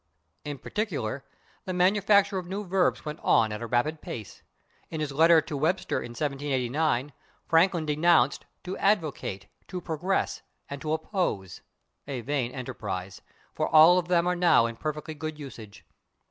In particular, the manufacture of new verbs went on at a rapid pace. In his letter to Webster in 1789, Franklin denounced /to advocate/, /to progress/, and /to oppose/ a vain enterprise, for all of them are now in perfectly good usage.